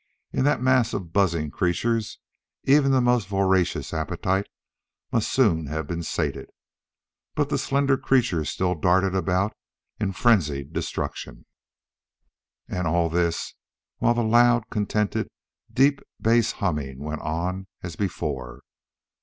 In that mass of buzzing creatures, even the most voracious appetite must soon have been sated, but the slender creatures still darted about in frenzied destruction. And all this while the loud, contented, deep bass humming went on as before.